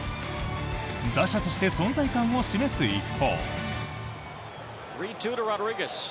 打者として存在感を示す一方。